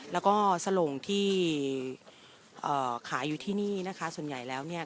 แล้วก็สลงที่เอ่อขายอยู่ที่นี่นะคะส่วนใหญ่แล้วเนี่ย